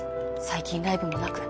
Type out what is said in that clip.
最近ライブもなく」